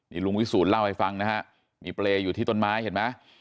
นี่ลุงวิสูจนเล่าให้ฟังนะฮะมีเปรย์อยู่ที่ต้นไม้เห็นไหม